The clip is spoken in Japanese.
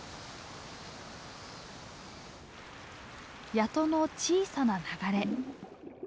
谷戸の小さな流れ。